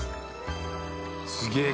すげえ。